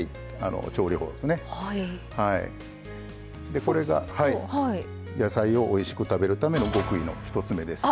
でこれが野菜をおいしく食べるための極意の１つ目です。